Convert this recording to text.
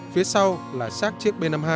phía sau là sát chiếc b năm mươi hai